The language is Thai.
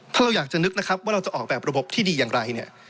ถ้าเราอยากจะนึกนะครับว่าเราจะออกแบบระบบที่ดีอย่างไรเนี่ย